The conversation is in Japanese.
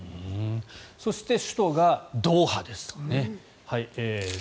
そして首都がドーハです。